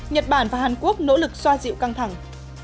nhật bản và hàn quốc nỗ lực xoa dịu căng thẳng